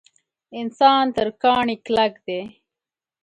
انسان تر کاڼي کلک دی.